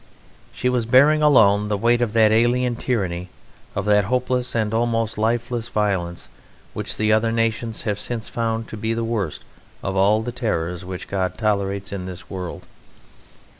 She was bearing alone the weight of that alien tyranny, of that hopeless and almost lifeless violence, which the other nations have since found to be the worst of all the terrors which God tolerates in this world.